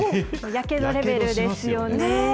やけどレベルですよね。